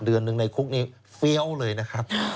หนึ่งในคุกนี้เฟี้ยวเลยนะครับ